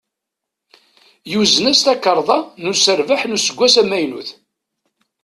Yuzen-as takarḍa n userbeḥ n useggas amaynut.